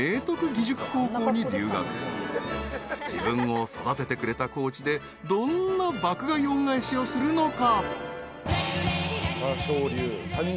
［自分を育ててくれた高知でどんな爆買い恩返しをするのか？］